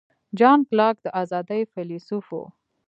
جان لاک د آزادۍ فیلیسوف و.